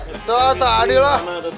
itu tak adil lah